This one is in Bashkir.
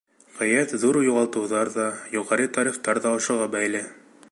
Ғәйәт ҙур юғалтыуҙар ҙа, юғары тарифтар ҙа ошоға бәйле.